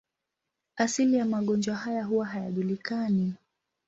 Asili ya magonjwa haya huwa hayajulikani.